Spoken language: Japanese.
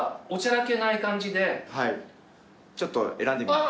ちょっと選んでみます。